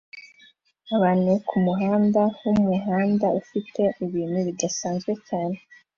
Abantu kumuhanda wumuhanda ufite ibintu bidasanzwe cyane